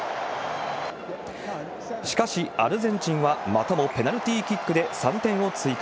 しかし、アルゼンチンはまたもペナルティキックで３点を追加。